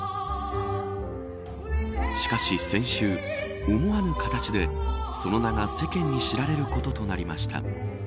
しかし先週、思わぬ形でその名が世間に知られることとなりました。